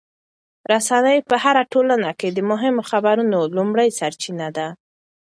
رسنۍ په هره ټولنه کې د مهمو خبرونو لومړنۍ سرچینه ده.